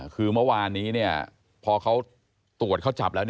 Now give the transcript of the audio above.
คือเมื่อวานนี้พอเขาตรวจเขาจับแล้ว